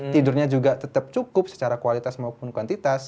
tidurnya juga tetap cukup secara kualitas maupun kuantitas